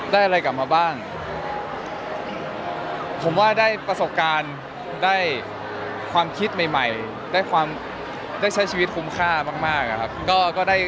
ได้อะไรกลับมาบ้างผมว่าได้ประสบการณ์ได้ความคิดใหม่ได้ความได้ใช้ชีวิตคุ้มค่ามากนะครับ